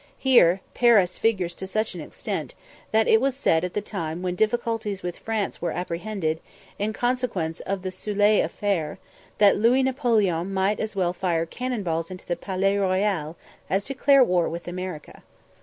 Here Paris figures to such an extent, that it was said at the time when difficulties with France were apprehended, in consequence of the Soulé affair, that "Louis Napoleon might as well fire cannon balls into the Palais Royal as declare war with America."